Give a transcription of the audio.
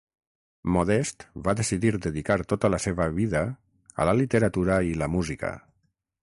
Modest va decidir dedicar tota la seva vida a la literatura i la música.